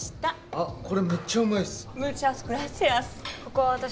あっこれめっちゃうまいっす。